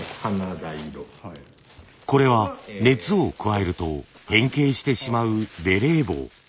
これは熱を加えると変形してしまうベレー帽。